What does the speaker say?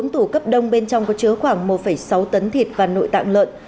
bốn tủ cấp đông bên trong có chứa khoảng một sáu tấn thịt và nội tạng lợn